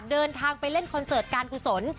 เดินทางไปเล่นคอนเสิร์ตการกุศล